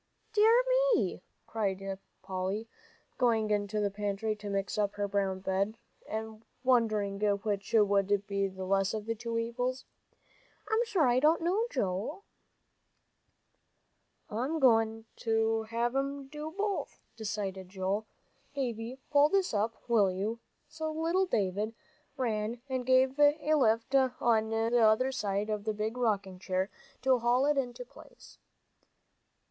"Dear me," cried Polly, going into the pantry to mix up her brown bread, and wondering which would be the less of the two evils, "I'm sure I don't know, Joel." "I'm goin' to have 'em do both," decided Joel. "Dave, pull this up, will you?" So little David ran and gave a lift on the other side of the big rocking chair, to haul it into place.